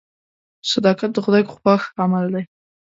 صداقت د خدای خوښ عمل دی.